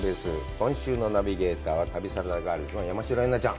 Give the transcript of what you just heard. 今週のナビゲーターは、旅サラダガールズの山代エンナちゃん。